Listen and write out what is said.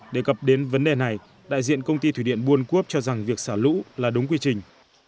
để gặp đến vấn đề này đại diện công ty thủy điện buôn cốp cho rằng việc xả lũ là đúng quy trình